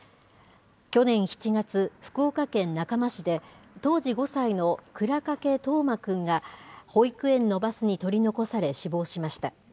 去年７月、福岡県中間市で、当時５歳の倉掛冬生くんが、保育園のバスに取り残され死亡しました。